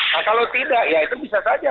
nah kalau tidak ya itu bisa saja